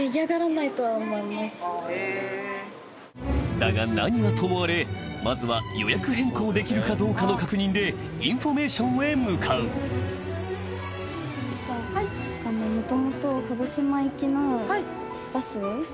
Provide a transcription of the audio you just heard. だが何はともあれまずは予約変更できるかどうかの確認でインフォメーションへ向かうみたいな感じで来て。